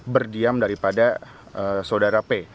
berdiam daripada saudara p